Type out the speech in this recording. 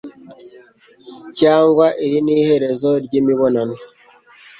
Cyangwa iri n'iherezo ry'imibonano